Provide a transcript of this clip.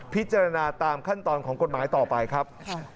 พิจารณาตามขั้นตอนของกฎหมายต่อไปครับ